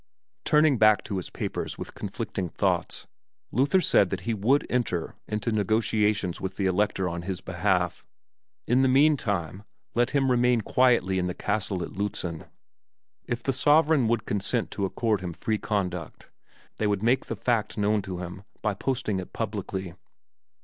Turning back to his papers with conflicting thoughts, Luther said that he would enter into negotiations with the Elector on his behalf; in the mean time let him remain quietly in the castle at Lützen. If the sovereign would consent to accord him free conduct, they would make the fact known to him by posting it publicly.